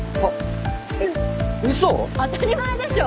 当たり前でしょ！